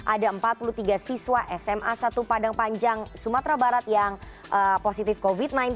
ada empat puluh tiga siswa sma satu padang panjang sumatera barat yang positif covid sembilan belas